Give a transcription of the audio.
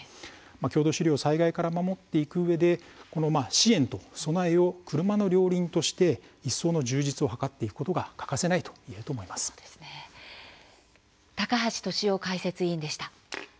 郷土資料を災害から守っていくうえで支援と備えを車の両輪として一層の充実を図っていくことが高橋俊雄解説委員でした。